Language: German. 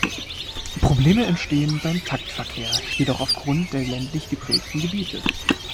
Probleme entstehen beim Taktverkehr jedoch aufgrund der ländlich geprägten Gebiete.